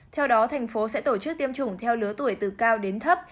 theo đó thành phố sẽ tổ chức tiêm chủng theo lứa tuổi từ cao đến thấp